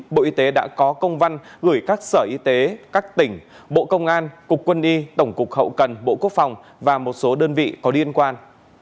bộ y tế đã có công văn gửi các sở y tế các tỉnh bộ công an cục quân y tổng cục hậu cần bộ quốc phòng và một số đơn vị có liên quan